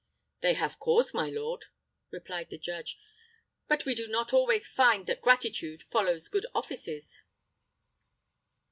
"They have cause, my lord," replied the judge; "but we do not always find that gratitude follows good offices.